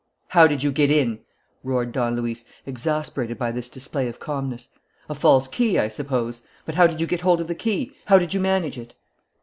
"How did you get in?" roared Don Luis, exasperated by this display of calmness. "A false key, I suppose? But how did you get hold of the key? How did you manage it?"